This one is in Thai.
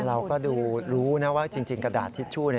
เราก็ดูรู้นะว่าจริงกระดาษทิชชู่